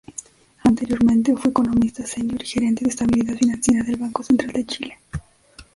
Anteriormente fue economista Senior y Gerente de Estabilidad Financiera del Banco Central de Chile.